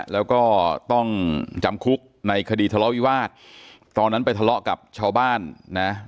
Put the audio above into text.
แล้วก็ต้องจำคุกในคดีทะเลาะวิวาสตอนนั้นไปทะเลาะกับชาวบ้านนะ